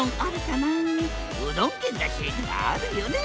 うどん県だしあるよね！